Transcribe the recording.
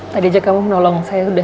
tadi aja kamu menolong saya udah